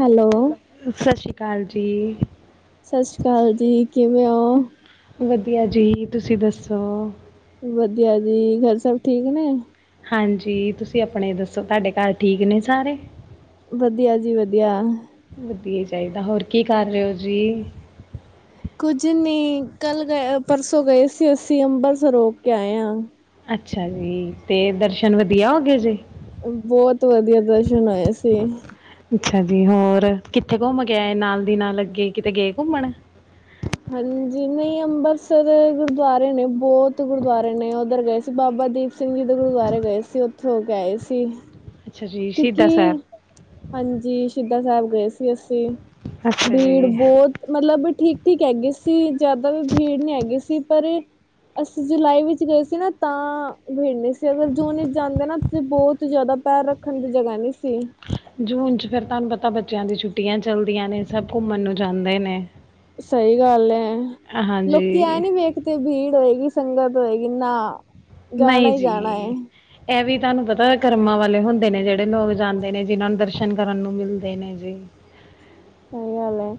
Hello. ਸਤਿ ਸ਼੍ਰੀ ਅਕਾਲ ਜੀ। ਸਤਿ ਸ਼੍ਰੀ ਅਕਾਲ ਜੀ, ਕਿਵੇਂ ਹੋ? ਵਧੀਆ ਜੀ, ਤੁਸੀਂ ਦੱਸੋ? ਵਧੀਆ ਜੀ, ਘਰ ਸਭ ਠੀਕ ਨੇ ਹਾਂਜੀ, ਤੁਸੀਂ ਆਪਣੇ ਦੱਸੋ, ਤਾਡੇ ਘਰ ਠੀਕ ਨੇ ਸਾਰੇ ਵਧੀਆ, ਜੀ ਵਧੀਆ ਵਧੀਆ ਚਾਹੀਦਾ, ਹੋਰ ਕੀ ਕਰ ਰਹੇ ਹੋ ਜੀ? ਕੁੱਝ ਨਹੀਂ, ਕੱਲ ਗਏ ਪਰਸੋਂ, ਗਏ ਸੀ ਅਸੀਂ ਅੰਬਰਸਰ ਹੋ ਕੇ ਆਏ ਆ ਅੱਛਾ ਜੀ, ਤੇ ਦਰਸ਼ਨ ਵਧੀਆ ਹੋ ਗਏ ਜੇ ਬਹੁਤ ਵਧੀਆ, ਦਰਸ਼ਨ ਆਏ ਸੀ। ਅੱਛਾ ਜੀ, ਹੋਰ ਕਿੱਥੇ ਘੁੰਮ ਕੇ ਆਏ ਨਾਲ ਦੀ ਨਾਲ, ਅੱਗੇ ਕਿਤੇ ਗਏ ਘੁੰਮਣ? ਹਾਂਜੀ, ਨਹੀਂ ਅੰਬਰਸਰ ਗੁਰਦੁਆਰੇ ਨੇ ਬਹੁਤ ਗੁਰਦੁਆਰੇ ਨੇ, ਉੱਧਰ ਗਏ ਸੀ ਬਾਬਾ ਦੀਪ ਸਿੰਘ ਜੀ ਦੇ ਗੁਰਦੁਆਰੇ ਗਏ ਸੀ। ਉੱਥੇ ਹੋ ਕੇ ਆਏ ਸੀ। ਅੱਛਾ ਜੀ ਕਿਉਂਕਿ ਸ਼ਹੀਦਾਂ ਸਾਹਿਬ ਹਾਂਜੀ, ਸ਼ਹੀਦਾ ਸਾਹਿਬ ਗਏ ਸੀ ਅਸੀਂ ਅੱਛਾ ਭੀੜ ਜੀ ਬਹੁਤ ਮਤਲਬ, ਠੀਕ- ਠੀਕ ਹੈਗੀ ਸੀ। ਜ਼ਿਆਦਾ ਵੀ ਭੀੜ ਨਈ ਹੈਗੀ ਸੀ ਪਰ ਅਸੀਂ, ਜੁਲਾਈ ਵਿੱਚ ਗਏ ਸੀ ਨਾ, ਤਾਂ ਭੀੜ ਨਈ ਸੀ, ਅਗਰ ਜੂਨ ਵਿੱਚ ਜਾਂਦੇ ਨਾ ਬਹੁਤ ਜ਼ਿਆਦਾ, ਪੈਰ ਰੱਖਣ ਦੀ ਜਗ੍ਹਾ ਨਈ ਸੀ ਜੂਨ ਚ ਫਿਰ ਤੁਹਾਨੂੰ ਪਤਾ, ਬੱਚਿਆਂ ਦੀ ਛੁੱਟੀਆਂ ਚੱਲਦੀਆਂ ਨੇ, ਸਭ ਘੁੰਮਣ ਨੂੰ ਜਾਂਦੇ ਨੇ ਸਹੀ ਗੱਲ ਐ, ਲੋਕੀ ਐ ਹਾਂਜੀ ਨੀ ਵੇਖਦੇ ਭੀੜ ਹੋਏਗੀ, ਸੰਗਤ ਹੋਏਗੀ ਨਾ ਜਾਣਾ ਨਹੀਂ ਹੀ ਜਾਣਾ ਹੈ ਜੀ ਇਹ ਵੀ ਤੁਹਾਨੂੰ ਪਤਾ, ਕਰਮਾਂ ਵਾਲੇ ਹੁੰਦੇ ਨੇ, ਜਿਹੜੇ ਲੋਕ ਜਾਂਦੇ ਨੇ, ਜਿਨਾਂ ਨੂੰ ਦਰਸ਼ਨ ਕਰਨ ਨੂੰ, ਮਿਲਦੇ ਨੇ ਜੀ ਸਹੀ ਗੱਲ ਹੈ,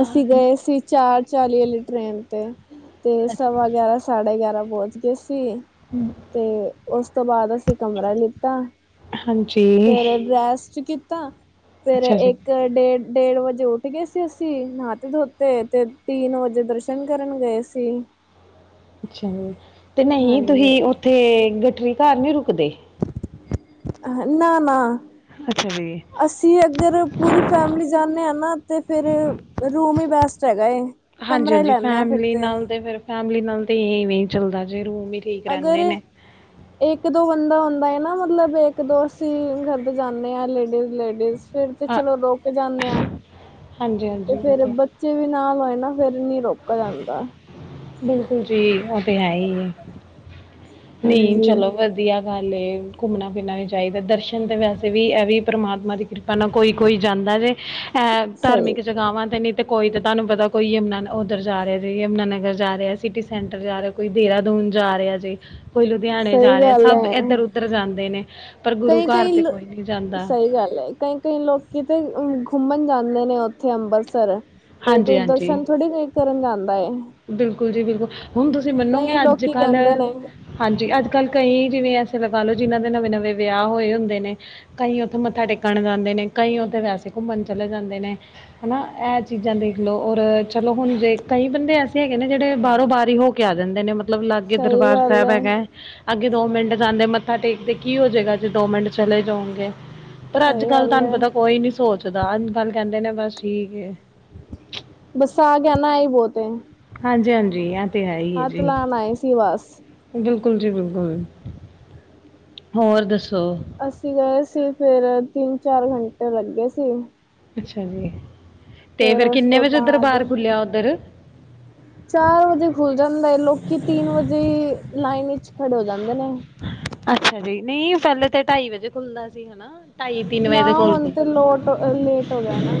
ਅਸੀਂ ਗਏ ਸੀ ਚਾਰ- ਚਾਲੀ ਵਾਲੀ ਟ੍ਰੇਨ ਤੇ ਤੇ, ਸਵਾ -ਗਿਆਰਾਂ ਸਾਢੇ- ਗਿਆਰਾਂ ਪਹੁੰਚ ਗਏ ਸੀ। ਹਮ। [inaudible] ਤੇ ਉਸ ਤੋਂ ਬਾਅਦ, ਅਸੀਂ ਕਮਰਾ ਲਿ ਹਾਂਜੀ, ਫੇਰ ਰੈਸਟ ਕੀਤਾ, ਫੇਰ ਅੱਛਾ ਜੀ, ਇੱਕ -ਡੇਢ ਡੇਢ ਵਜੇ, ਉੱਠ ਗਏ ਸੀ ਅਸੀਂ, ਨਾਤੇ ਧੋਤੇ ਤੇ ਤਿੰਨ ਵਜੇ ਦਰਸ਼ਨ ਕਰਨ ਗਏ ਸੀ ਅੱਛਾ ਜੀ, ਤੇ ਨਹੀਂ ਹਾਂਜੀ ਤੁਸੀਂ ਉੱਥੇ ਗਟੜੀ ਘਰ ਨਈ ਰੁਕਦੇ ਨਾ -ਨਾ ਅੱਛਾ ਜੀ। ਅਸੀਂ ਅਗਰ, ਪੂਰੀ ਫੈਮਿਲੀ ਜਾਂਦੇ ਹਾਂ, ਨਾ ਤੇ ਫੇਰ ਰੂਮ ਹੀ ਬੈਸਟ ਹੈਗਾ ਏ, ਕਮਰਾ ਹੀ ਲੈਂਣੇ ਆ ਫਿਰ ਤੇ ਫੈਮਲੀ ਨਾਲ ਤੇ ਐ ਵੇਂ ਚੱਲਦਾ ਜੇ ਰੂਮ ਠੀਕ ਅਗਰ ਰਹਿੰਦੇ ਨੇ। ਏਕ ਦੋ ਬੰਦਾ ਹੁੰਦਾ ਹੈ ਨਾ ਮਤਲਬ ਏਕ ਦੋ ਅਸੀਂ ਘਰ ਦੇ ਜਾਨੇ ਆ ਲੇਡੀਸ-ਲੇਡੀਸ। ਫਿਰ ਤੇ ਹਾਂ, ਚਲੋ ਰੁਕ ਜਾਨੇ ਆ ਹਾਂਜੀ-ਹਾਂਜੀ ਤੇ ਉਹ ਫੇਰ ਤੇ ਬੱ ਚੇ ਵੀ ਨਾਲ ਹੋਏ ਨਾ ਫੇਰ ਨੀ ਰੋਕ ਜਾਂਦਾ। ਬਿਲਕੁਲ ਜੀ ਉਹ ਤੇ ਹੈ ਹੀ ਏ ਨਈ ਹਾਂਜੀ ਚਲੋ ਵ ਧੀਆ ਗੱਲ ਏ ਘੁੰਮਣਾ ਫਿਰਨਾ ਵੀ ਚਾਹੀਦਾ ਦਰਸ਼ਨ ਤੇ ਵੈਸੇ ਵੀ ਐਵੀ ਪਰਮਾਤਮਾ ਦੀ- ਕਿਰਪਾ ਨਾਲ ਕੋਈ-ਕੋਈ ਜਾਂਦਾ ਜੇ। ਹਾ ਸਹੀ ਧਾਰਮਿਕ ਜਗ੍ਹਾਵਾਂ ਤੇ ਨੀ ਤੇ ਕੋਈ ਤੇ ਤੁਹਾਨੂੰ ਪਤਾ ਕੋਈ ਯਮੁਨਾ ਉੱਧਰ ਜਾ ਰਿਆ ਵੇ ਯਮੁਨਾਨਗਰ। ਜਾ ਰਿਆ ਸਿਟੀ ਸੈਂਟਰ ਜਾ ਰਿਆ, ਕੋਈ ਦੇਹਰਾਦੂਨ ਜਾ ਰਿਆ ਜੇ, ਕੋਈ ਲੁਧਿਆਣੇ ਸਹੀ ਜਾ ਰਿਆ ਗੱਲ ਸਭ ਏਧਰ ਉ ਧਰ ਜਾਂਦੇ ਨੇ। ਪਰ ਗੁਰੂ ਘਰ ਕਈ-ਕਈ ਤੇ ਲ ਕੋਈ ਨਹੀਂ ਜਾਂਦਾ ਸਈ ਗੱਲ ਐ ਕਈ ਕਈ ਲੋਕੀ ਤੇ ਘੁੰਮਣ ਜਾਂਦੇ ਨੇ ਉਥੇ ਅੰਬਰਸਰ ਹਾਂਜੀ ਕੋਈ-ਕੋਈ ਹਾਂਜੀ ਦਰਸ਼ਨ ਥੋੜੀ ਕਰਨ ਜਾਂਦਾ ਏ। ਬਿਲਕੁਲ ਜੀ ਬਿਲਕੁਲ ਹੁਨ ਤੁਸੀਂ ਮੰਨੋਗੇ ਲੋਕੀ ਅੱਜ-ਕੱਲ ਕਹਿੰਦੇ ਨੇ ਹਾਂਜੀ ਅੱਜ-ਕੱਲ ਕਈ ਜਿਵੇਂ ਐਸੇ ਲਗਾ ਲੋ ਜਿਨਾਂ ਦੇ ਨਵੇਂ-ਨਵੇਂ ਵਿਆਹ ਹੋਏ ਹੁੰਦੇ ਨੇ। ਕਈ ਉੱਥੇ ਮੱਥਾ ਟੇਕਣ ਜਾਂਦੇ ਨੇ, ਕਈ ਉੱਥੇ ਵੈਸੇ ਘੁੰਮਣ ਚਲੇ ਜਾਂਦੇ ਨੇ। ਹਨਾ ਏਹ ਚੀਜ਼ਾਂ ਦੇਖ ਲੋ ਔਰ ਚਲੋ ਹੁਣ ਜੇ ਕਈ ਬੰਦੇ ਐਸ ਹੈਗੇ ਨੇ ਜੇੜੇ ਬਾਹੋਂ ਬਾਰ ਹੀ ਹੋ ਕੇ ਆ ਜਾਂਦੇ ਨੇ ਮਤਲਬ ਲਾਗੇ ਸਹੀ ਦਰਬਾਰ ਗੱਲ ਸੈਬ ਹੈ ਹੈਗਾ। ਅੱਗੇ ਦੋ ਮਿੰਟ ਜਾਂਦੇ ਮੱਥਾ ਟੇਕਦੇ ਕੀ ਹੋ ਜੇਗਾ ਜੇ ਦੋ ਮਿੰਟ ਚਲੇ ਜਾਉਗੇ। ਪਰ ਸਹੀ ਅੱਜ-ਕੱਲ ਗੱਲ ਤਾਨ ਹੈ ਪਤਾ ਕੋਈ ਨੀ ਸੋਚਦਾ ਅੱਜ-ਕੱਲ ਕਹਿੰਦੇ ਨੇ ਬਸ ਠੀਕ ਏ। ਬਸ ਆ ਗਿਆ ਨਾ ਏ ਹੀ ਬੌਤ ਏ। ਹਾਂਜੀ-ਹਾਂਜੀ ਐ ਤੇ ਹੈ ਹੀ ਹੈ ਜੀ। ਲਾਉਣ ਆਏ ਸੀ ਵਾਸ ਬਿਲਕੁਲ ਜੀ ਬਿਲਕੁਲ। ਹੋਰ ਦੱਸੋ? ਅਸੀਂ ਗਏ ਸੀ ਫੇਰ ਤਿੰਨ-ਚਾਰ ਘੰਟੇ ਲੱਗੇ ਸੀ। ਅੱਛਾ ਜੀ ਤੇ ਫੇਰ ਉਸ ਕਿੰਨੇ ਤੋਂ ਵਜੇ ਬਾਅਦ ਦਰਬਾਰ ਖੁੱਲਿਆ ਉੱਧਰ? ਚਾਰ ਵਜੇ ਖੁੱਲ ਜਾਂਦਾ ਲੋਕੀ ਤਿੰਨ ਵਜੇ ਲਾਈਨ ਇਚ ਖੜੇ ਹੋ ਜਾਂਦੇ ਨੇ। ਅੱਛਾ ਜੀ ਨਈ ਪਹਲੇ ਤੇ ਢਾਈ ਵਜੇ ਖੁੱਲਦਾ ਸੀ ਹਨਾ। ਢਾਈ, ਤਿੰਨ ਵਜੇ ਨਾ ਦੇ ਕੋਲ। ਹੁਣ ਤੇ ਲੋਟ ਲੇਟ ਹੋ ਗਿਆ ਨਾ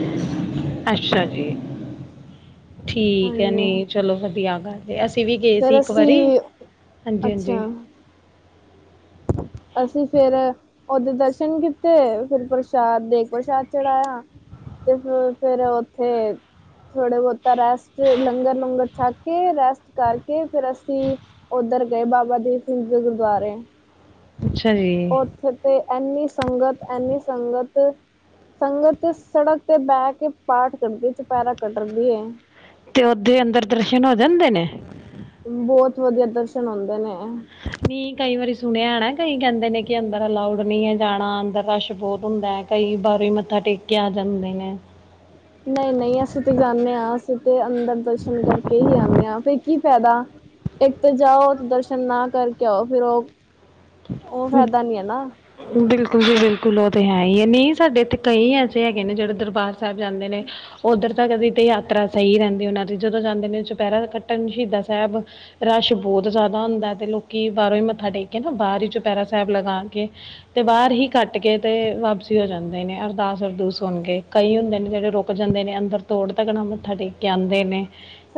ਅੱਛਾ ਜੀ ਠੀਕ ਐ ਹਾਂਜੀ ਨੀ ਚਲੋ ਵਧੀਆ ਗੱਲ ਅਸੀਂ ਵੀ ਗਏ ਸੀ ਫੇਰ ਇੱਕ ਵਾਰੀ ਅਸੀਂ ਹਾਂਜੀ-ਹਾਂਜੀ। ਅੱਛਾ ਅਸੀਂ ਫੇਰ ਉਦੇ ਦਰਸ਼ਨ ਕੀਤੇ ਫੇਰ ਪ੍ਰਸ਼ਾਦ ਦੇਗ ਪ੍ਰਸ਼ਾਦ ਚੜ੍ਹਾਇਆ ਤੇ ਫੇਰ-ਫੇਰ ਉੱਥੇ ਥੋੜਾ ਬੋਹਤਾ ਰੈਸਟ ਲੰਗਰ-ਲੂੰਗਰ ਛੱਕ ਕੇ ਰੈਸਟ ਕਰਕੇ ਫੇਰ ਅਸੀ ਓਧਰ ਗਏ ਬਾਬਾ ਦੀਪ ਸਿੰਘ ਜੀ ਦੇ ਗੁਰਦੁਆਰੇ। ਅੱਛਾ ਜੀ। ਉਥੇ ਤੇ ਐਨੀ ਸੰਗਤ, ਐਨੀ ਸੰਗਤ ਸੰਗਤ ਤੇ ਸੜਕ ਤੇ ਬਹ ਕੇ ਪਾਠ ਕਰਦੀ ਚੁਪੈਰਾ ਕੱਢਦੀ ਏ। ਤੇ ਉਦੇ ਅੰਦਰ ਦਰਸ਼ਨ ਹੋ ਜਾਂਦੇ ਨੇ। ਬੌਤ ਵਧੀਆ ਦਰਸ਼ਨ ਹੁੰਦੇ ਨੇ। ਨੀ ਕਈ ਵਾਰੀ ਸੁਣਿਆ ਹੈਣਾ ਕਈ ਕਹਿੰਦੇ ਨੇ, ਕਿ ਅੰਦਰ ਅਲਾਉਡ ਨੀ ਹੈ ਜਾਣਾ ਅੰਦਰ ਰਸ਼ ਬੌਤ ਹੁੰਦਾ। ਕਈ ਵਾਰੇ ਮੱਥਾ ਟੇਕ ਕੇ ਆ ਜਾਂਦੇ ਨੇ। ਨਈ-ਨਈ ਅਸੀਂ ਤੇ ਜਾਨੇ ਹਾਂ ਅਸੀਂ ਤੇ ਅੰਦਰ ਦਰਸ਼ਨ ਕਰਕੇ ਹੀ ਆਨੇ ਹਾਂ ਫੇਰ ਕੀ ਫੈਦਾ। ਇੱਕ ਤੇ ਜਾਓ ਤੇ ਦਰਸ਼ਨ ਨਾ ਕਰਕੇ ਆਓ ਫਿਰ ਉਹ ਉਹ ਫਿਰ ਫਾਇਦਾ ਨੀ ਹੈ ਨਾ ਬਿਲਕੁਲ ਜੀ ਬਿਲਕੁਲ ਉਹ ਤੇ ਹੈ। ਹੀ ਹੈ ਨਹੀਂ ਸਾਡੇ ਇੱਥੇ ਕਈ ਐਸੇ ਹੈਗੇ। ਨੇ ਜਿਹੜੇ ਦਰਬਾਰ ਸਾਬ ਜਾਂਦੇ ਨੇ ਉੱਧਰ ਕਦੀ ਤੇ ਯਾਤਰਾ ਸਹੀ ਰਹਿੰਦੀ ਉਹਨਾਂ ਦੀ ਜਦੋਂ ਜਾਂਦੇ ਨੇ, ਚੁਪੈਰਾ ਕੱਟਣ ਸ਼ਹੀਦਾ ਸਾਬ ਰਸ਼ ਬੋਤ ਜ਼ਿਆਦਾ ਹੁੰਦਾ ਤੇ ਲੋਕੀ ਬਾਹਰੋਂ ਹੀ ਮੱਥਾ ਟੇਕ ਕੇ ਨਾ ਬਾਹਰ ਹੀ, ਚੁਪੈਰਾ ਸਾਬ ਲਗਾ ਕੇ ਤੇ ਬਾਹਰ ਹੀ ਕੱਟ ਕੇ ਤੇ ਵਾਪਸੀ ਹੋ ਜਾਂਦੇ ਨੇ ਅਰਦਾਸ ਅਰਦੂਸ ਸੁਣ ਕੇ ਕਈ ਹੁੰਦੇ ਨੇ ਜਿਹੜੇ ਰੁਕ ਜਾਂਦੇ ਨੇ ਅੰਦਰ ਤੋੜ ਤੱਕਣਾ ਮੱਥਾ ਟੇਕ ਕੇ ਆਂਦੇ ਨੇ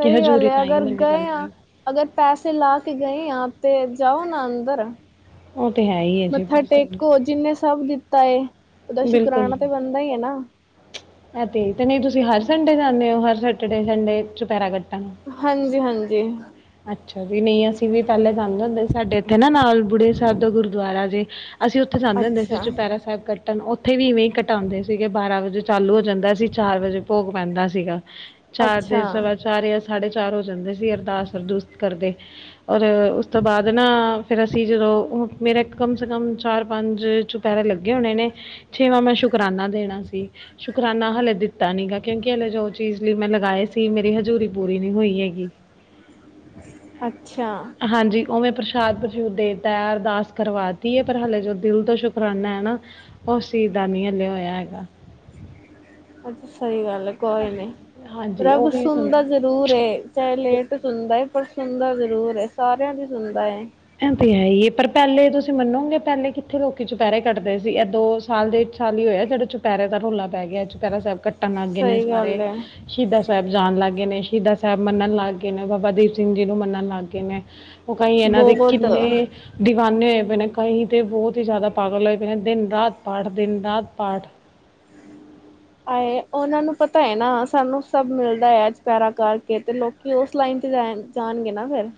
ਕਿ ਗੱਲ ਹਜ਼ੂਰੀ ਹੈ ਤਾਂ ਹੀ ਅਗਰ ਮੰਨੀ ਗਏ ਜਾਂਦੀ ਹਾਂ ਹੈ ਅਗਰ ਪੈਸੇ ਲਾ, ਕੇ ਗਏ ਆ ਤੇ ਜਾਓ ਨਾ ਅੰਦਰ ਉਹ ਤੇ ਹੈ ਹੀ ਹੈ ਜੀ ਮੱਥਾ ਬਿਲਕੁਲ ਟੇਕੋ ਜਿੰਨੇ ਸਭ ਤਾਂਏ ਉਹਦਾ ਬਿਲਕੁਲ ਸ਼ੁਕਰਰਾਨਾ ਤਾਂ, ਜੀ ਬਣਦਾ ਈ ਹੈ ਨਾ ਤੇ, ਤੇ ਨਹੀਂ ਤੁਸੀਂ ਹਰ ਸੰਡੇ ਜਾਂਦੇ ਹੋ ਹਰ ਸੈਟਰਡੇ ਸੰਡੇ ਚੁਪੈਰਾ ਕੱਟਨ ਹਾਂਜੀ -ਹਾਂਜੀ ਅੱਛਾ ਜੀ ਨਹੀਂ ਅਸੀਂ ਵੀ, ਪੈਲੇ ਜਾਂਦੇ ਹੁੰਦੇ ਸਾਡੇ ਇੱਥੇ ਨਾ ਨਾਲ ਬੁੜੇ ਸਾਹਿਬ ਦਾ ਗੁਰਦੁਆਰਾ ਜੇ ਅਸੀਂ ਉੱਥੇ ਜਾਂਦੇ ਹੁੰਦੇ ਸੀ ਅੱਛਾ-ਅੱਛਾ-ਅੱਛਾ ਚੁਪੈਰਾ ਸਹਿਬ ਕਟਣ ਉੱਥੇ ਵੀ ਇਵੇਂ ਕਟਾਂਦੇ ਸੀਗੇ ਬਾਰਾਂ ਵਜੇ ਚਾਲੂ ਹੋ ਜਾਂਦਾ ਸੀ ਚਾਰ ਵਜੇ ਭੋਗ ਪੈਂਦਾ ਸੀਗਾ ਚਾਰ ਦੇ ਅੱਛਾ ਸਵਾ ਚਾਰ ਚਾਰ ਯਾਂ ਸਾਢੇ ਚਾਰ ਹੋ ਜਾਂਦੇ ਸੀ ਅਰਦਾਸ ਅਰਦੂਸ ਕਰਦੇ। ਔਰ ਉਸ ਤੋਂ ਬਾਦ ਨਾ ਫਿਰ ਅਸੀਂ ਜਦੋਂ ਮੇਰਾ ਇੱਕ ਕਮ ਸੇ ਕਮ ਚਾਰ ਪੰਜ ਚੁ ਪੈਰੇ ਲੱਗੇ ਹੋਣੇ ਨੇ ਛੇਵਾਂ ਮੈਂ ਸ਼ੁਕਰਾਨਾ ਦੇਣਾ ਸੀ ਸ਼ੁਕਰਾਨਾ ਹਾਲੇ ਦਿੱਤਾ। ਨੀ ਗਾ ਕਿਉਂਕੀ ਹਲੇ ਜੋ ਚੀਜ਼ ਲਈ ਮੈਂ ਲਗਾਏ ਸੀ ਮੇਰੀ ਹਜੂਰੀ ਪੂਰੀ ਨੀ ਹੋਈ ਹੈਗੀ। ਅੱਛਾ। ਹਾਂਜੀ ਓਵੇਂ ਪ੍ਰਸ਼ਾਦ ਪ੍ਰਸ਼ੂਦ ਦੇਤਾ ਅਰਦਾਸ ਕਰਵਾ ਤੀ ਐ ਪਰ ਹਾਲੇ ਜੋ ਦਿਲ ਤੋਂ ਸ਼ੁਕਰਾਨਾ ਐ ਨਾ ਓ ਸੀ ਦਾ ਨੀ ਹਲੇ ਹੋਇਆ ਹੈਗਾ। ਅੱਛਾ ਸਈ ਗੱਲ ਐ ਕੋਈ ਨੀ ਹਾਂਜੀ ਉਹ ਰੱਬ ਵੀ ਸੁੁੰਦਾ ਸੁਣਿਆ ਜ ਰੂਰ ਏ ਚਾਹੇ ਲੇਟ ਸੁਣਦਾ ਪਰ ਸੁਣਦਾ ਜ਼ਰੂਰ ਏ ਸਾਰਿਆਂ ਦੀ ਸੁਣਦਾ ਏ। ਐ ਤੇ ਹੈ ਈ ਐ ਪਰ ਪੈਲੇ ਤੁਸੀਂ ਮੰਨੋਗੇ ਪੈਲੇ ਕਿੱਥੇ ਲੋਕੀ ਚੁਪੈਰੇ ਕੱਟਦੇ ਸੀ ਐ ਦੋ ਸਾਲ ਡੇਢ ਸਾਲ ਈ ਹੋਇਆ ਜੇੜਾ ਚੁਪੈਰੇ ਦਾ ਰੋਲਾ ਪੈ ਗਿਆ ਚੁਪੈਰਾ ਸੈਬ ਕੱਟਣ ਲੱਗ ਗਏ ਨੇ ਸਹੀ ਸਾਰੇ। ਗੱਲ ਏ ਸ਼ਹੀਦਾਂ ਸਾਬ ਜਾਣ ਲੱਗ ਗੇ ਨੇ ਸ਼ਹੀਦ ਸਾਬ ਮੰਨਣ ਲੱਗ ਗਏ ਨੇ ਬਾਬਾ ਦੀਪ ਸਿੰਘ ਜੀ ਨੂੰ ਮੰਨਣ ਲੱਗ ਗਏ ਨੇ। ਓ ਕਈ ਇਨਾਂ ਦੇ ਬਹੁਤ ਕਿੰਨੇ ਦੀਵਾਨੇ ਹੋਏ ਪਏ ਨੇ ਕਈ ਤੇ ਬੋਤ ਈ ਜਾਦਾ ਪਾਗਲ ਹੋਏ ਪਏ ਨੇ ਦਿਨ ਰਾਤ ਪਾਠ ਦਿਨ ਰਾਤ ਪਾਠ। ਆਏ ਓਨਾਂ ਨੂੰ ਪਤਾ ਐ ਨਾ ਸਾਨੂੰ ਸਭ ਮਿਲਦਾ ਐ ਚਪੈਰਾ ਕਰਕੇ ਤੇ ਲੋ ਕੀ ਓਸ ਲਾਈਨ ਤੇ ਜਾ ਜਾਣਗੇ ਨਾ ਫਿਰ।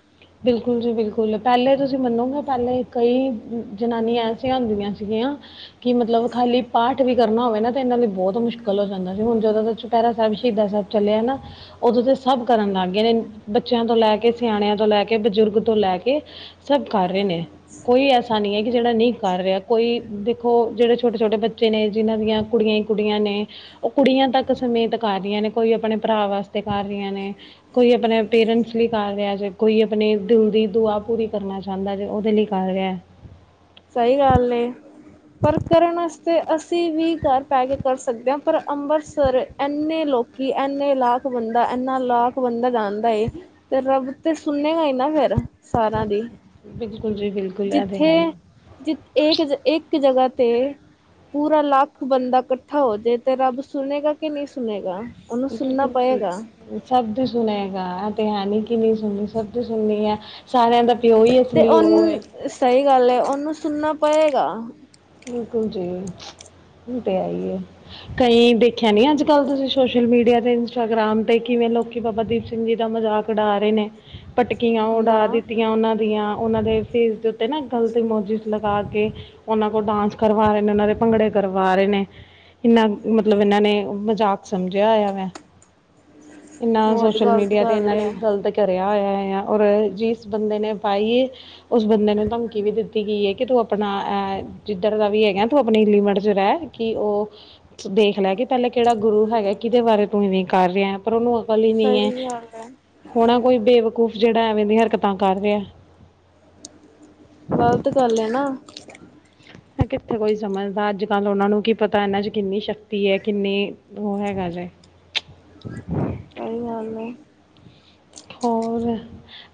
ਬਿਲਕੁੱਲਜੀ ਬਿਲਕੁੱਲ ਪੈਲੇ ਤੁਸੀਂ ਮੰਨੋਗੇ ਪੈਲੇ ਕਈ ਜਨਾਨੀਆਂ ਐਸੀਆਂ ਹੁੰਦੀਆਂ ਸੀਗੀਆਂ ਕੀ ਮਤਲਬ ਖਾਲੀ ਪਾਠ ਵੀ ਕਰਨਾ ਹੋਵੇ ਨਾ ਤੇ ਇਨਾਂ ਲਈ ਬੋਤ ਮੁਸ਼ਕਿਲ ਹੋ ਜਾਂਦਾ ਸੀ ਹੁਣ ਜਦੋਂ ਦਾ ਚੁਪੈਰਾ ਸੈਬ ਸ਼ਹੀਦਾ ਸੈਬ ਚੱਲਿਆ ਨਾ ਓਦੋਂ ਤੇ ਸਭ ਕਰਨ ਲੱਗ ਗਏ ਨੇ ਬੱਚਿਆਂ ਤੋਂ ਲੈ ਕੇ ਸਿਆਣਿਆਂ ਤੋਂ ਲੈ ਬਜ਼ੁਰਗ ਤੋਂ ਲੈ ਕੇ ਸਭ ਕਰ ਰੇ ਨੇ ਕੋਈ ਐਸਾ ਨੀ ਐ ਕਿ ਜੇੜਾ ਨਈ ਕਰ ਰਿਆ। ਕੋਈ ਦੇਖੋ ਜੇੜੇ ਛੋਟੇ-ਛੋਟੇ ਬੱਚੇ ਨੇ ਜਿਨ੍ਹਾਂ ਦੀਆਂ ਕੁੜੀਆਂ ਈ ਕੁੜੀਆਂ ਨੇ ਓ ਕੁੜੀਆਂ ਤੱਕ ਸਮੇਤ ਕਰ ਰੀਆਂ ਨੇ ਕੋਈ ਆਪਣੇ ਭਰਾ ਵਾਸਤੇ ਕਰ ਰੀਆਂ ਨੇ। ਕੋਈ ਆਪਣੇ ਪੇਰੈਂਟਸ ਲਈ ਕਰ ਰਿਆ ਜੇ ਕੋਈ ਆਪਣੇ ਦਿਲ ਦੀ ਦੁਆ ਪੂਰੀ ਕਰਨਾ ਚਾਦੈਂ ਜੇ ਓਦੇ ਲਈ ਕਰ ਰਿਐ। ਸਈ ਗੱਲ ਏ। ਪਰ ਕਰਨ ਵਾਸਤੇ ਅਸੀਂ ਵੀ ਘਰ ਬੈ ਕੇ ਕਰ ਸਕਦੇ ਆ ਪਰ ਅੰਬਰਸਰ ਐਨੇ ਲੋਕੀ ਐਨੇ ਲਾਖ ਬੰਦਾ ਐਨਾ ਲਾਖ ਬੰਦਾ ਜਾਂਦਾ ਏ। ਤੇ ਰੱਬ ਤੇ ਸੁਨੇਗਾ ਈ ਨਾ ਫੇਰ ਸਾਰੇਆ ਦੀ। ਬਿਲਕੁੱਲ ਜੀ ਬਿਲ ਜਿੱਥੇ ਜਿ ਏਕ ਜਗ ਇੱਕ ਜਗ੍ਹਾ 'ਤੇ ਪੂਰਾ ਲੱਖ ਬੰਦਾ ਕੱਠਾ ਹੋਜੇ ਤੇ ਰੱਬ ਸੁਨੇਗਾ ਕਿ ਨਈ ਸੁਨੇਗਾ? ਕਿਨਾ ਕੁ ਖੇਡਨੈ? ਓ ਸਭ ਦੀ ਸੁਨੇਗਾ, ਐ ਤੇ ਹੈਨੀ ਕਿ ਨਈ ਸੁਨਨੀ, ਸਭ ਦੀ ਸੁਨਨੀ ਐ। ਸਾਰਿਆਂ ਦਾ ਪਿਓ ਈ ਅਸਲੀ ਓ ਏ। ਸਈ ਗੱਲ ਏ, ਉਨੂੰ ਸੁਨਨਾ ਪਏਗਾ। ਬਿਲਕੁੱਲ ਜੀ, ਓ ਤੇ ਹੈ ਈ ਏ ਕਈ ਖੇਆ ਨੀ, ਅੱਜ ਕੱਲ੍ਹ ਤੁਸੀਂ ਸੋਸ਼ਲ ਮੀਡੀਆ ਤੇ ਇੰਸਟਾਗ੍ਰਾਮ ਤੇ ਕਿਵੇਂ ਲੋਕੀ ਬਾਬਾ ਦੀਪ ਸਿੰਘ ਜੀ ਦਾ ਮਜ਼ਾਕ ਉਡਾ ਰੇ ਨੇ। ਪਟਕੀਆਂ ਨਾ ਉਡਾ ਦਿੱਤੀਆਂ ਉਨਾਂ ਦੀਆਂ ਉਨਾਂ ਦੇ ਫੇਸ ਦੇ ਉੱਤੇ ਨਾ ਗਲਤ ਇਮੋਜਿਸ ਲਗਾ ਕੇ ਉਨਾਂ ਓ ਡਾਂਸ ਕਰਵਾ ਰੇ ਨੇ ਉਨਾਂ ਦੇ ਭੰਗੜੇ ਕਰਵਾ ਰੇ ਨੇ। ਕਿੰਨਾ ਮਤਲਬ ਇਨਾਂ ਨੇ ਮਜਾਕ ਸਮਝਿਆ ਹੋਇਆ ਵੈਂ? ਇਨਾ ਬਹੁਤ ਸੋਸ਼ਲ ਗ਼ਲਤ ਮੀਡੀਆ ਤੇ ਗੱਲ ਏਨਾਂ ਨੇ ਹੈ ਗਲਤ ਭਰਿਆ ਹੋਇਆ ਐ, ਆ ਔਰ ਜਿਸ ਬੰਦੇ ਨੇ ਪਾਈਏ ਉਸ ਬੰਦੇ ਨੂੰ ਧਮਕੀ ਵੀ ਦਿੱਤੀ ਗਈ ਐ ਕੀ ਤੂੰ ਆਪਣਾ ਐ ਜਿੱਧਰ ਦਾ ਵੀ ਹੈਗਾ ਤੂੰ ਆਪਨੀ ਲਿਮਟ 'ਚ ਰੈ। ਕੀ ਓ ਦੇਖ ਲੈ, ਕੀ ਪੈਲੇ ਕੇੜਾ ਗੁਰੂ ਹੈਗਾ, ਕਿਦੇ ਬਾਰੇ ਤੂੰ ਇਵੇਂ ਕਰ ਰਿਐ? ਪਰ ਉਨੂੰ ਅਕਲ ਈ ਨੀ ਐ, ਸਹੀ ਗੱਲ ਹੈ ਹੋਨੈ ਕੋਈ ਬੇਵਕੂਫ ਜੇੜਾ ਐਵੇਂ ਦੀਆਂ ਹਰਕਤਾਂ ਕਰ ਰਿਐ। ਗ਼ਲਤ ਗੱਲ ਐ ਨਾ। ਕਿੱਥੇ ਕੋਈ ਸਮਝਦਾ ਅੱਜ-ਕੱਲ ਉਨਾਂ ਨੂੰ ਕੀ ਪਤਾ ਐਨਾਂ 'ਚ ਕਿੰਨੀ ਸ਼ਕਤੀ ਐ, ਕਿੰਨੀ ਓ ਹੈਗਾ ਜੇ। ਸਹੀ ਗਲ ਏ। ਹੋਰ,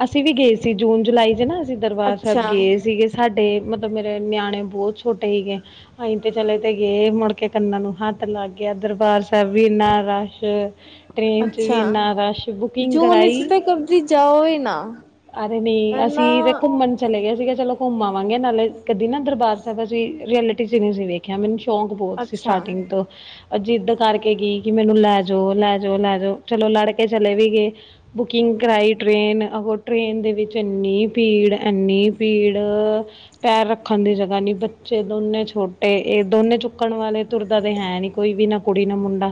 ਅਸੀਂ ਵੀ ਗੇ ਸੀ ਜੂਨ-ਜੁਲਾਈ 'ਚ ਨਾ, ਅਸੀਂ ਦਰਬਾਰ ਸੈਬ ਅੱਛਾ ਗੇ ਸੀਗੇ। ਸਾਡੇ ਮਤਲਬ, ਮੇਰੇ ਨਿਆਣੇ ਬੋਤ ਛੋਟੇ ਹੀਗੇ। ਅਹੀ ਤੇ ਚਲੇ 'ਤੇ ਗਏ, ਮੁੜ ਕੇ ਕੰਨਾਂ ਨੂੰ ਹੱਥ ਲੱਗ ਗੇਆ, ਦਰਬਾਰ ਸੈਬ ਵੀ ਇੰਨਾ ਰਸ਼। ਟ੍ਰੇਨ 'ਚ ਵੀ ਅੱਛਾ ਇੰਨਾ ਰਸ਼, ਬੁਕਿੰਗ ਜੂਨ ਵਿੱਚ ਕਰਾਈ? ਤੇ ਕਦੀ ਜਾਓ ਹੀ ਨਾ ਅਰੇ ਨੀ, ਇਨਾ ਅਸੀਂ ਤੇ ਘੁੱਮਣ ਚਲੇ ਗੇ ਸੀਗੇ, ਚਲੋ ਕੁੱਮ ਆਵਾਂਗੇ, ਨਾਲੇ ਕਦੀ ਨਾ ਦਰਬਾਰ ਸੈਬ ਅਸੀਂ ਰਿਐਲਿਟੀ 'ਚ ਨੀ ਸੀ ਵੇਖ ਕੇਆ, ਮੈਨੂੰ ਸ਼ੌਕ ਬੋਤ ਸੀ ਅੱਛਾ ਸਟਾਰਟਿੰਗ ਤੋਂ ਅ ਜਿੱਦ ਕਰਕੇ ਗੀ ਕਿ, ਮੈਨੂੰ ਲੈ ਜੋ, ਲੈ ਜੋ, ਲੈ ਜੋ। ਚਲੋ, ਲੜਕੇ ਚਲੇ ਵੀ ਗੇ। ਬੁਕਿੰਗ ਕਰਾਈ ਟ੍ਰੇਨ, ਅਗੋ ਟ੍ਰੇਨ ਦੇ ਵਿੱਚ ਏੱਨੀ ਪੀੜ ਐਨੀ ਪੀੜ, ਪੈਰ ਰੱਖਣ ਦੀ ਜਗ੍ਹਾ ਨੀ, ਬ 'ਚੇ ਦੋਨੇ ਛੋਟੇ, ਏ ਦੋਨੇ ਚੁੱਕਣ ਵਾਲੇ, ਤੁਰਦਾ ਤੇ ਹੈ ਨੀ ਕੋਈ ਵੀ ਨਾ। ਕੁੜੀ ਨਾ ਮੁੰਡਾ,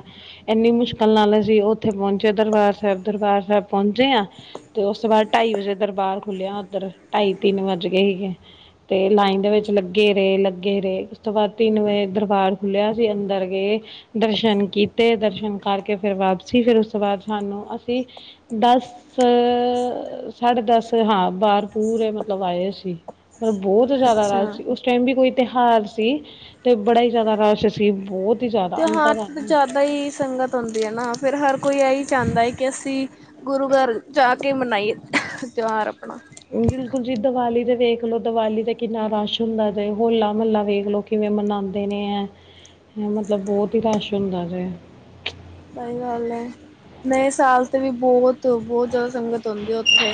ਏਨੀ ਮੁਸ਼ਕਲ ਨਾਲ ਅਸੀਂ ਔਥੇ ਪੋਂਚੇ ਦਰਬਾਰ ਸੈਬ-ਦਰਬਾਰ ਸੈਬ ਪੌਂਚੇ ਆਂ, ਤੇ ਔਸ ਤੋਂ ਬਾੱਦ ਢਾਈ ਵਜੇ ਦਰਬਾਰ ਖੁੱਲ੍ਹਿਆ ਔਧਰ, ਢਾਈ-ਤਿੰਨ ਵੱਜ ਗੇ ਹੀਗੇ। 'ਤੇ ਲਾਈਨ ਦੇ ਵਿੱਚ ਲੱਗੇ ਰੇ, ਲੱਗੇ ਰੇ। ਉਸ ਤੋਂ ਬਾੱਦ ਤਿੰਨ ਵਜੇ ਦਰਬਾਰ ਖੁੱਲ੍ਹਿਆ ਸੀ, ਅੰਦਰ ਗਏ। ਦਰਸ਼ਨ ਕੀਤੇ, ਦਰਸ਼ਨ ਕਰਕੇ ਫੇਰ ਵਾਪਸੀ। ਫੇਰ ਉਸ ਤੋਂ ਬਾਦ ਸਾਨੂੰ ਅਸੀਂ ਦਸ -ਸਾਢੇ ਦਸ ਹਾਂ, ਬਾਰ ਪੂਰੇ ਮਤਲਬ ਆਏ ਅਸੀ। ਪਰ ਬੋਤ ਜ਼ਾਦਾ ਰਸ਼ ਅੱਛਾ ਸੀ, ਉਸ ਟਾਈਮ ਵੀ ਕੋਈ ਤੇਹਾਰ ਸੀ, ਤੇ ਬੜਾ ਈ ਜ਼ਾਦਾ ਰਸ਼ ਸੀ, ਬੋਤ ਤੇਹਾਰ 'ਤੇ ਜ਼ਾਦਾ ਈ ਸੰਗਤ ਹੁੰਦੀ ਏਨਾ, ਫੇਰ ਹਰ ਕੋਈ ਐਈ ਚਾਂਦਾ ਏ ਕਿ ਅਸੀਂ ਗੁਰੂ -ਘਰ ਜਾ ਕੇ ਮਨਾਈਏ, ਤਿਉਹਾਰ ਅਪਨਾ। ਓ ਬਿਲਕੁਲ ਜੀ, ਦਵਾਲੀ ਤੇ ਵੇਖਲੋ ਦਵਾਲੀ 'ਤੇ ਕਿੰਨਾ ਰਸ਼ ਹੁੰਦਾ ਜੇ, ਹੋਲਾ- ਮਹੱਲਾ ਵੇਖ ਲੋ। ਕਿਵੇਂ ਮਨਾਂਦੇ ਨੇ ਐ? ਮਤਲਬ, ਬੋਤ ਹੀ ਰਸ਼ ਹੁੰਦਾ ਜੇ। ਸਈ ਗੱਲ ਏ, ਨਏ ਸਾਲ ਤੇ ਵੀ ਬੋਤ ਤੋਂ ਬੋਤ ਜ਼ਾਦਾ ਸੰਗਤ ਹੋਂਦੀ ਐ ਓਥੇ,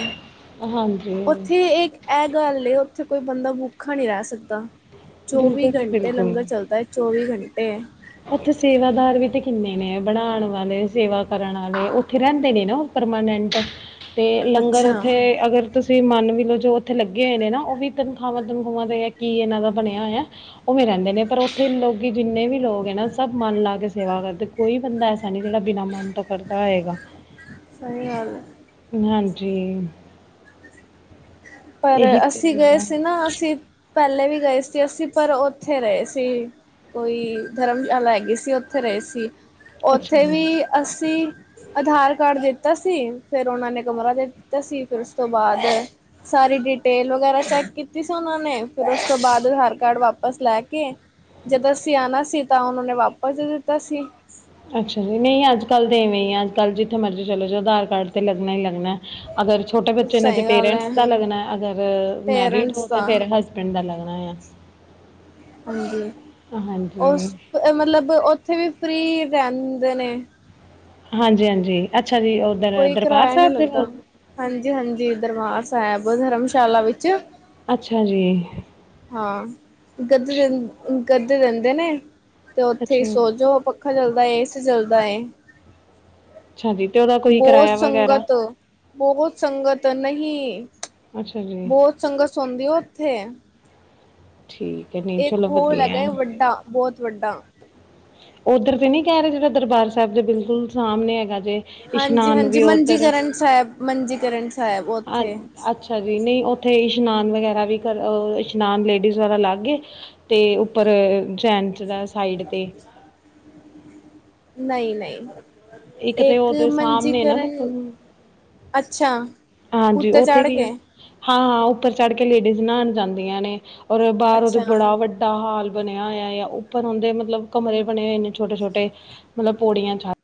ਹਾਂਜੀ ਓਥੇ ਏਕ ਐ ਗੱਲ ਏ, ਓਥੇ ਕੋਈ ਬੰਦਾ ਭੁਖਾ ਨੀ ਰੈ ਸਕਦਾ, ਚੌਵੀ ਬਿਲਕੁਲ ਜੀ ਕੰਟੇ ਬਿਲਕੁਲ ਲੰਗਰ ਚੱਲਦਾ ਐ। ਚੌਵੀ ਕੰਟੇ ਉੱਥੇ ਸੇਵਾਦਾਰ ਵੀ ਤੇ ਕਿੰਨੇ ਨੇ ਬਣਾਣ ਵਾਲੇ ਸੇਵਾ ਕਰਨ ਆਲੇ, ਉੱਥੇ ਰੈਂਦੇ ਨੇ ਨਾ ਓ। ਪਰਮਾਨੈਂਟ, ਤੇ ਲੰਗਰ ਅੱਛਾ ਓਥੇ ਅਗਰ ਤੁਸੀਂ ਮੰਨ ਵੀ ਲੋ ਜੋ ਓਥੇ ਲੱਗੇ ਹੋਏ ਨੇ ਨਾ ਓਵੀ ਤਨਖਾਹਾਂ-ਤਨਖੂਵਾਂ ਤੇ ਕੀ ਏਨਾਂ ਦਾ ਬਣਿਆ ਹੋਯਾ। ਓਵੇਂ ਰੈਂਦੇ ਨੇ ਪਰ ਓਥੇ ਲੋਕੀ ਜਿੰਨੇ ਵੀ ਲੋਕ ਐ ਨਾ ਸਭ ਮਨ ਲਾ ਕੇ ਸੇਵਾ ਕਰਦੇ ਕੋਈ ਬੰਦਾ ਐ ਸਾ ਨੀ ਜਿੜਾ ਬਿਨਾਂ ਮਨ ਤੋਂ ਕਰਦਾ ਹੈਏਗਾ, ਸਹੀ ਗੱਲ ਹੈ। ਹਾਂਜੀ। ਪਰ ਇਹੀ ਤੇ ਅਸੀਂ ਗਏ ਹੈਗਾ। ਸੀ ਨਾ, ਅਸੀਂ ਪੈਲੇ ਵੀ ਗਏ ਸੀ, ਅਸੀਂ ਪਰ ਓਥੇ ਰਅੇ ਸੀ। ਕੋਈ ਧਰਮਸ਼ਾਲਾ ਹੈਗੀ ਸੀ ਓਥੇ ਰਅੇ ਸੀ, ਅੱਛਾ ਓਥੇ ਜੀ ਵੀ ਅਸੀਂ ਅਧਾਰ ਕਾਰਡ ਦਿੱਤਾ ਸੀ ਫੇਰ ਓਨਾਂ ਨੇ ਕਮਰਾ ਦੇ ਦਿੱਤਾ ਸੀ ਫੇਰ ਉਸ ਤੋਂ ਬਾਅਦ ਸਾਰੀ ਡਿਟੇਲ ਵਗੈਰਾ ਚੈੱਕ ਕੀਤੀ ਸੀ ਓਨਾਂ ਨੇ ਫੇਰ ਓਸ ਤੋਂ ਬਾਦ ਅਧਾਰ ਕਾਰਡ ਵਾਪਸ ਲੈ ਕੇ ਜਦੋ ਅਸੀਂ ਆਣਾ ਸੀ ਤਾਂ ਉਨੋ ਨੇ ਵਾਪਸ ਦੇ ਦਿੱਤਾ ਸੀ। ਅੱਛਾ ਜੀ, ਨਈ ਅੱਜ-ਕੱਲ੍ਹ ਤੇ ਇਵੇਂ ਈ ਐ ਅੱਜ-ਕੱਲ੍ਹ ਜਿੱਥੇ ਮਰਜ਼ੀ ਚੱਲੇ ਜਾਓ, ਅਧਾਰ ਕਾਰਡ ਤੇ ਲੱਗਣਾ ਈ ਲੱਗਣਾ ਐ। ਅਗਰ ਛੋਟੇ ਬੱਚੇ ਨੇ ਤੇ ਸਹੀ ਗੱਲ ਪੇਰੈਂਟਸ ਹੈ ਦਾ ਲੱਗਨਾ ਐ ਅਗਰ ਮੈਰਿਡ ਪੇਰੈਂਟਸ ਹੋ ਤੇ ਦਾ ਫਗਰ ਹਸ ਬੈਂਡ ਦਾ ਲੱਗਣਾ ਯਾਂ। ਹਾਂਜੀ, ਓਸ ਮਤਲਬ ਓਥੇ ਵੀ ਫ੍ਰਰੀ ਰੈਂਦੇ ਨੇ। ਹਾਂਜੀ-ਹਾਂਜੀ ਅੱਛਾ ਜੀ ਔਧਰ ਕੋਈ ਦਰਬਾਰ ਕਿਰਾਇਆ ਨਹੀਂ ਸਾਬ ਦੇ ਲੱਗਦਾ ਕੋਲ। ਹਾਂਜੀ-ਹਾਂਜੀ ਦਰਬਾਰ ਸੈਬ ਧਰਮਸ਼ਾਲਾ ਵਿੱਚ ਅੱਛਾ ਜੀ। ਹਾਂ, ਗੱਦੇ ਠੀ ਦੇ ਗੱਦੇ ਦੇਂਦੇ ਨੇ। ਤੇ ਓਥੇ ਈ ਅੱਛਾ ਸੋਜੋ, ਪੱਖਾ ਚੱਲਦਾ ਏ, ਏਸੀ ਚੱਲਦਾ ਏ। ਅੱਛਾ ਜੀ, ਤੇ ਓਦਾ ਬੋਤ ਸੰਗਤ, ਬੋਹਤ ਸੰਗਤ ਨਹੀ। ਅੱਛਾ ਜੀ। ਸੰਗਤ ਸੋਂਧੀ ਏ ਓਥੇ। ਠੀਕ। ਹੈ ਨਹੀਂ ਗਕ ਚਲੋ ਹੋਲ ਵਧੀਆ ਹੈਗਾ ਵੱਡਾ ਬੋਤ ਵੱਡਾ ਓਧਰ ਤੇ ਨੀ ਕੈ ਰਹੇ ਜਿਥੇ ਦਰਬਾਰ ਸਾਹਿਬ ਦੇ ਬਿਲਕੁਲ ਸਾਹਮਣੇ ਹੈਗਾ। ਜੇ ਇਸ਼ਨਾਨ ਹਾਂਜੀ-ਹਾਂਜੀ ਵੀ ਉੱਧਰ ਮੰਜੀਕਰਨ ਸੈਬ ਮੰਜੀਕਰਨ ਸਾਹਿਬ ਹਾਂ ਉੱਥੇ ਅੱਛਾ। ਅੱਛਾ ਜੀ ਨੀ ਓਥੇ ਇਸ਼ਨਾਨ ਵਗੈਰਾ ਵੀ ਕਰ ਅ ਇਸ਼ਨਾਨ ਲੇਡੀਜ਼ ਵਾਲਾ ਲੱਗ ਏ। ਤੇ ਓਪਰ ਜੈਂਡਸ ਦਾ ਸਾਈਡ ਤੇ ਨਈ-ਨਈ ਇੱਕ ਤੇ ਏਕ ਉਹਦੇ ਮੰਨਜੀੇ ਸਾਹਮਣੇ ਨਾ ਕਰਨ ਬਿਲਕੁਲ ਅੱਛਾ, ਉੱਤੇ ਚੱੜ ਕੇ। ਹਾਂ-ਹਾਂ ਉੱਪਰ ਚੜ ਕੇ ਲੇਡੀਜ਼ ਨਾਣ ਜਾਂਦੀਆਂ ਨੇ ਔਰ ਬਾਰ ਉਦੇ ਅੱਛਾ ਬੜਾ ਵੱਡਾ ਦਾ ਹਾਲ ਬਣਿਆ ਹੋਯਾ ਏ ੳਪਰ ਹੋਂਦੇ ਮਤਲਬ ਕਮਰੇ ਬਣੇ ਹੋਏ ਨੇ ਛੋਟੇ-ਛੋਟੇ। ਮਤਲਬ ਪੌੜੀਆਂ ਚੜ